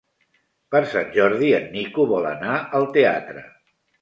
Per Sant Jordi en Nico vol anar al teatre.